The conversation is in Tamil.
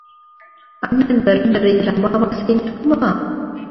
அண்ணன் வரும் வரையில் அமாவாசை நிற்குமா?